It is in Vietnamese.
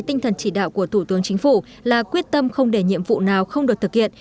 tinh thần chỉ đạo của thủ tướng chính phủ là quyết tâm không để nhiệm vụ nào không được thực hiện